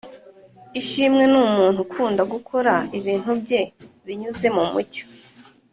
Ishimwe ni umuntu ukunda gukora ibintu bye binyuze mumucyo